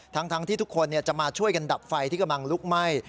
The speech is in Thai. ทั้งที่ทุกคนจะมาช่วยกันดับไฟที่กำลังลุกไหม้